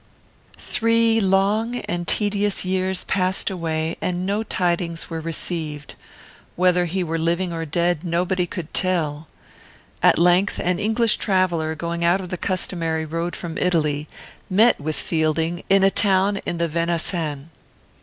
"Three long and tedious years passed away, and no tidings were received. Whether he were living or dead, nobody could tell. At length, an English traveller, going out of the customary road from Italy, met with Fielding, in a town in the Venaissin.